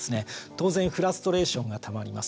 当然フラストレーションがたまります。